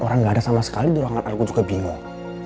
orang nggak ada sama sekali di ruangan aku juga bingung